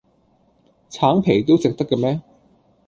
橙皮都食得嘅咩